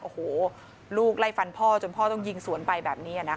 โอ้โหลูกไล่ฟันพ่อจนพ่อต้องยิงสวนไปแบบนี้นะคะ